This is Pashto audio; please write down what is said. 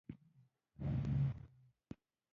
د نورو مازې يو کوچنى ټيکرى پر سر و.